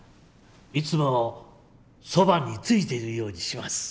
いつもそばについているようにします。